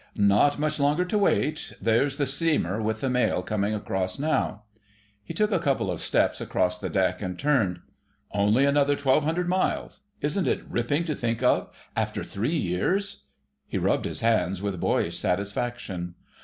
"Not much longer to wait—there's the steamer with the mail coming across now." He took a couple of steps across the deck and turned. "Only another 1200 miles. Isn't it ripping to think of, after three years...?" He rubbed his hands with boyish satisfaction.